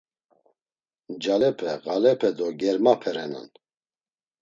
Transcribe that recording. Ncalepe, ğalepe do germape renan.